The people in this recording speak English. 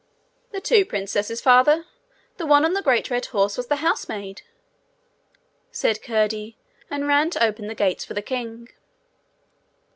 'The two princesses, Father! The one on the great red horse was the housemaid,' said Curdie, and ran to open the gates for the king.